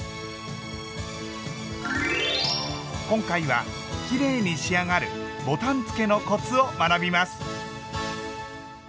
今回はきれいに仕上がるボタンつけのコツを学びます。